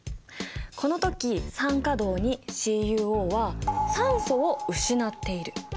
この時酸化銅ＣｕＯは酸素を失っている。